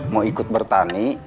mau ikut bertani